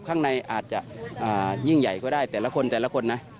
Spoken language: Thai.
ข้างในอาจจะยิ่งใหญ่ก็ได้แต่ละคนแต่ละคนนะ